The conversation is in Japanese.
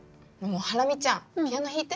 ハラミちゃんピアノ弾いて。